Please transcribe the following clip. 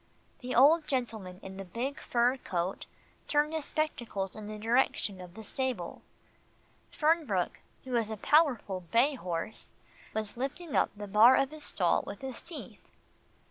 The old gentleman in the big fur coat turned his spectacles in the direction of the stable. Fernbrook, who is a powerful bay horse, was lifting up the bar of his stall with his teeth.